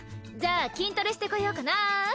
じゃあ筋トレしてこようかな！